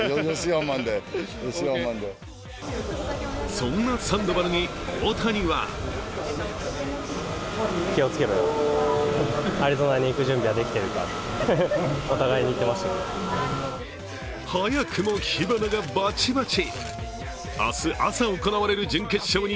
そんなサンドバルに大谷は早くも火花がバチバチ。